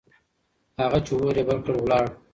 هغه چې اور يې بل کړ، ولاړ.